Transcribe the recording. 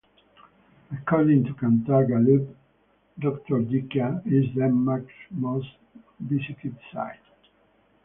According to Kantar Gallup, dr.dk is Denmark's most visited site.